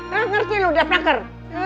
ngerti lu depna kerr